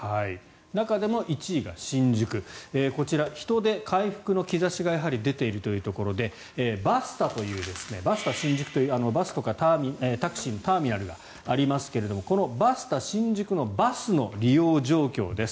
中でも１位が新宿こちら、人出回復の兆しがやはり出ているというところでバスタ新宿というバスとかタクシーのターミナルがありますがこのバスタ新宿のバスの利用状況です。